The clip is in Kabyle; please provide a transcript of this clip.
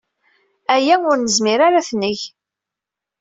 Aya ur nezmir ara ad t-neg.